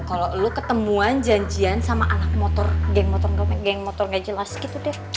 kalo lo ketemuan janjian sama anak motor geng motor gak jelas gitu deh